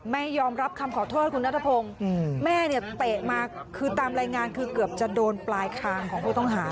แม่ยอมรับคำขอโทษคุณนัทพงศ์แม่เนี่ยเตะมาคือตามรายงานคือเกือบจะโดนปลายคางของผู้ต้องหา